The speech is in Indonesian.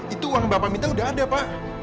itu uang bapak minta udah ada pak